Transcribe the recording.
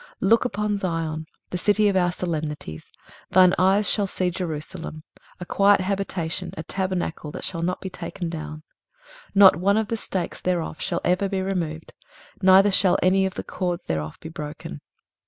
23:033:020 Look upon Zion, the city of our solemnities: thine eyes shall see Jerusalem a quiet habitation, a tabernacle that shall not be taken down; not one of the stakes thereof shall ever be removed, neither shall any of the cords thereof be broken.